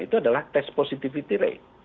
itu adalah test positivity rate